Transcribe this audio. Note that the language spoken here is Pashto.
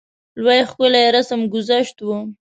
لوی ښکلی رسم ګذشت وو.